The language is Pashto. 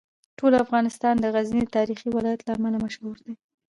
ټول افغانستان د غزني د تاریخي ولایت له امله مشهور دی.